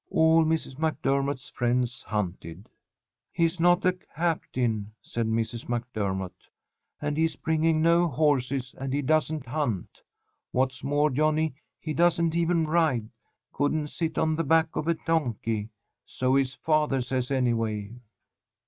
All Mrs. MacDermott's friends hunted. "He's not a captain," said Mrs. MacDennott, "and he's bringing no horses and he doesn't hunt. What's more, Johnny, he doesn't even ride, couldn't sit on the back of a donkey. So his father says, anyway."